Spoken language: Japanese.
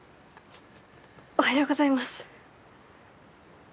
おはようございます。